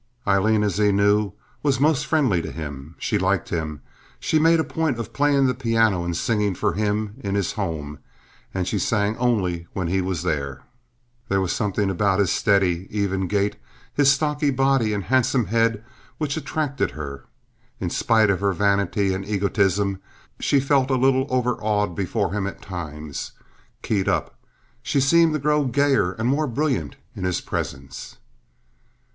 Aileen, as he knew, was most friendly to him. She liked him. She made a point of playing the piano and singing for him in his home, and she sang only when he was there. There was something about his steady, even gait, his stocky body and handsome head, which attracted her. In spite of her vanity and egotism, she felt a little overawed before him at times—keyed up. She seemed to grow gayer and more brilliant in his presence.